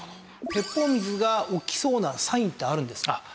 鉄砲水が起きそうなサインってあるんですか？